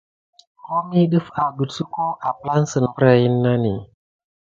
Ho ni def akine sucko apane sine birayane nani game.